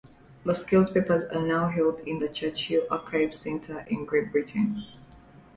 Lascelles's papers are now held in the Churchill Archives Centre, in Great Britain.